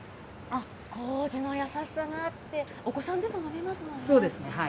あっ、こうじの優しさがあって、お子さんでも飲めますもんね。